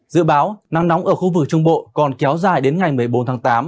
dự báo nắng nóng ở khu vực trung bộ còn kéo dài đến ngày một mươi bốn tháng tám